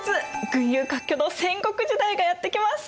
群雄割拠の戦国時代がやって来ます！